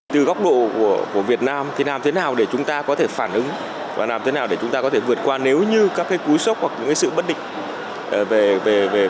từ góc độ của việt nam thì làm thế nào để chúng ta có thể phản ứng và làm thế nào để chúng ta có thể vượt qua nếu như các cái cú sốc hoặc những sự bất định về tài chính châu á